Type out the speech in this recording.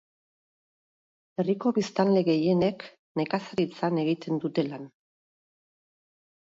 Herriko biztanle gehienek nekazaritzan egiten dute lan.